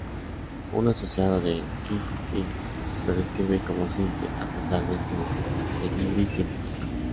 Un asociado de Kingpin lo describe como simple, a pesar de su pedigrí científico.